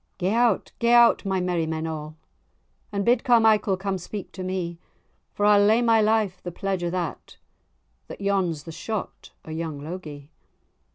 "Gae out, gae out, my merrymen a', And bid Carmichael come speak to me; For I'll lay my life the pledge o' that, That yon's the shot o' young Logie."